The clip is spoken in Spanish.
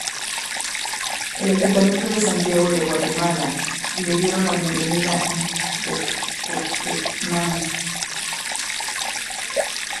El Ayuntamiento de Santiago de Guatemala le dieron la bienvenida en Jocotenango.